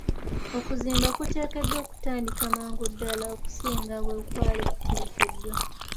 Okuzimba kuteekeddwa okutandika mangu ddaala okusinga bwe kwali kutegekeddwa.